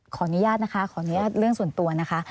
ขออนุญาตนะคะขออนุญาตเรื่องส่วนตัวนะคะ